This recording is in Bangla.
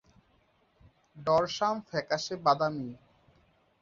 ডরসাম ফ্যাকাশে বাদামি।